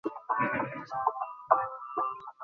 না, না, না, অনুযা।